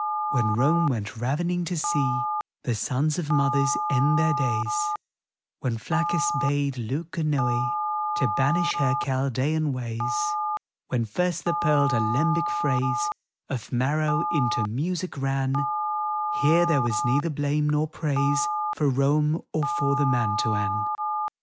[711 When Rome went ravening to see The sons of mothers end their days, When Flaccus bade Leuconoe To banish her Chaldean ways, When first the pearled, alembic phrase Of Maro into music ran — Here there was neither blame nor praise For Rome, or for the Mantuan.